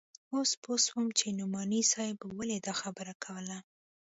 اوس پوه سوم چې نعماني صاحب به ولې دا خبره کوله.